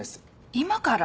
今から？